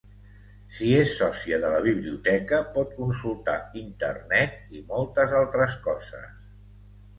Si és sòcia de la biblioteca, pot consultar Internet i moltes altres coses.